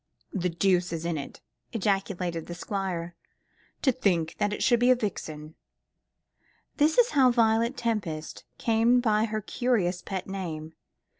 "The deuce is in it," ejaculated the Squire; "to think that it should be a vixen!" This is how Violet Tempest came by her curious pet name.